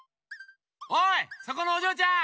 おいそこのおじょうちゃん！